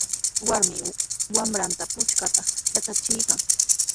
Warmi wamranta puchkayta yatrachiykan.